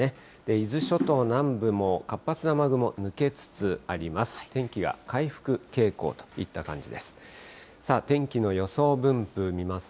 伊豆諸島南部も活発な雨雲、抜けつつあります。